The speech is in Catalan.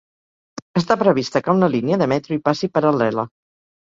Està prevista que una línia de metro hi passi paral·lela.